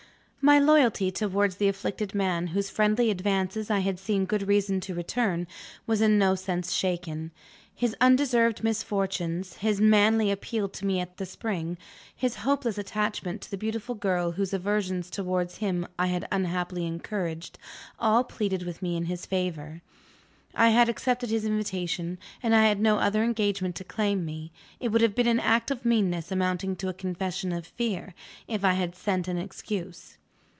My loyalty towards the afflicted man, whose friendly advances I had seen good reason to return, was in no sense shaken. His undeserved misfortunes, his manly appeal to me at the spring, his hopeless attachment to the beautiful girl whose aversion towards him I had unhappily encouraged, all pleaded with me in his favour. I had accepted his invitation; and I had no other engagement to claim me: it would have been an act of meanness amounting to a confession of fear, if I had sent an excuse.